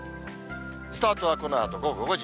スタートはこのあと午後５時。